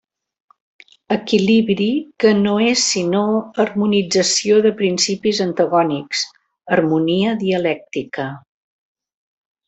Equilibri que no és sinó harmonització de principis antagònics, harmonia dialèctica.